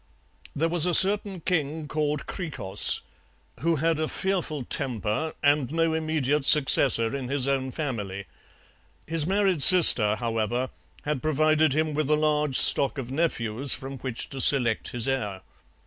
There was a certain king called Hkrikros, who had a fearful temper and no immediate successor in his own family; his married sister, however, had provided him with a large stock of nephews from which to select his heir.